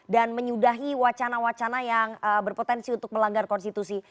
dan menyudahi wacana wacana yang berpotensi untuk melanggar konstitusi